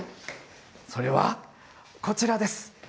それはこちらです。